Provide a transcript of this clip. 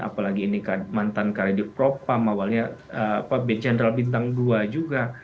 apalagi ini kan mantan karadipropam awalnya b general bintang ii juga